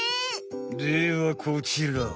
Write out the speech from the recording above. ではこちら。